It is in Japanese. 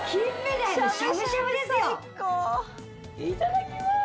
いただきまーす。